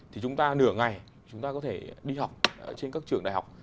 thì chúng ta nửa ngày chúng ta có thể đi học trên các trường đại học